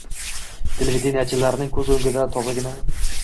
Televideniyechilarning ko‘z o‘ngida tozagina